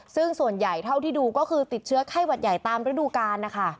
ซึ่งส่วนใหญ่เท่าที่ดูก็คือติดเชื้อไข้หวัดใหญ่ตามฤดูกาลนะคะ